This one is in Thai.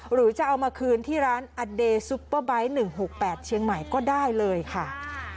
หรือจะเอามาคืนที่ร้านอเดย์ซุปเปอร์ไบท์๑๖๘เชียงใหม่ก็ได้เลยค่ะ